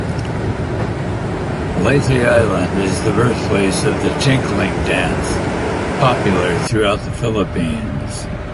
Leyte Island is the birthplace of the Tinikling dance, popular throughout the Philippines.